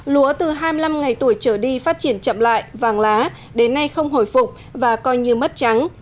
lúa từ hai mươi năm ngày tuổi trở đi phát triển chậm lại vàng lá đến nay không hồi phục và coi như mất trắng